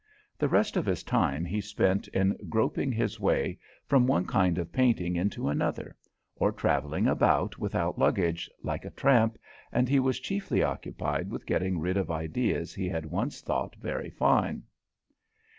The rest of his time he spent in groping his way from one kind of painting into another, or travelling about without luggage, like a tramp, and he was chiefly occupied with getting rid of ideas he had once thought very fine.